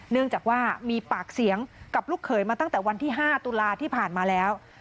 เนื่องจากว่ามีปากเสียงกับลูกเขยมาตั้งแต่วันที่๕ตุลาที่ผ่านมาแล้ว